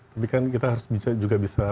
tapi kan kita juga harus bisa